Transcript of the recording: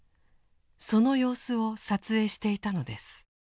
その様子を撮影していたのです。